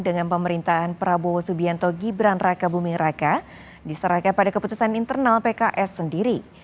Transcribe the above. dengan pemerintahan prabowo subianto gibran raka buming raka diserahkan pada keputusan internal pks sendiri